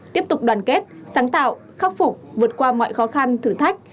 tiếp tục đoàn kết sáng tạo khắc phục vượt qua mọi khó khăn thử thách